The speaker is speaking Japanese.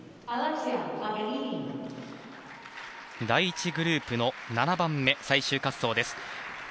第１グループの７番目最終滑走です。